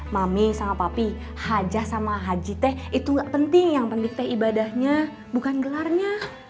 mami sama papi hajah sama haji teh itu gak penting yang penting teh ibadahnya bukan gelarnya